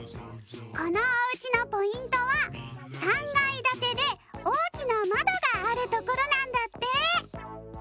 このおうちのポイントは３がいだてでおおきなまどがあるところなんだって！